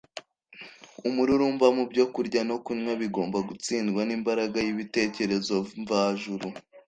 Umururumba mu byo kurya no kunywa bigomba gutsindwa n'imbaraga y'ibitekerezo mvajuru.